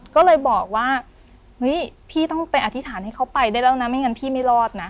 ก็เลยบอกว่าเฮ้ยพี่ต้องไปอธิษฐานให้เขาไปได้แล้วนะไม่งั้นพี่ไม่รอดนะ